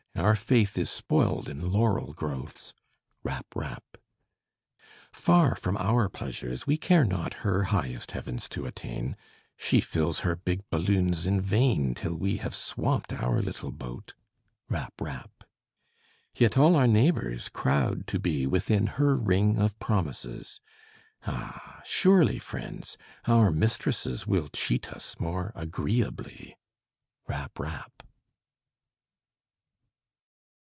Our faith is spoiled in laurel growths. Rap! rap! Far from our pleasures, we care not Her highest heavens to attain; She fills her big balloons in vain Till we have swamped our little boat. Rap! rap! Yet all our neighbors crowd to be Within her ring of promises, Ah! surely, friends! our mistresses Will cheat us more agreeably. Rap! rap!